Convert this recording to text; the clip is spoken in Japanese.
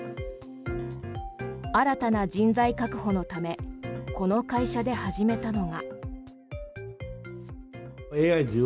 新たな人材確保のためこの会社で始めたのが。